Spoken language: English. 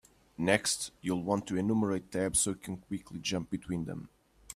Next, you'll want to enumerate tabs so you can quickly jump between them.